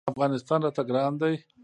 افغانستان راته ګران دی.